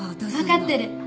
分かってる。